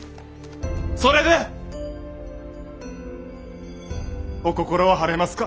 それでお心は晴れますか？